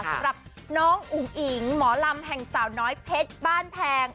สำหรับน้องอุ๋งอิ๋งหมอลำแห่งสาวน้อยเพชรบ้านแพง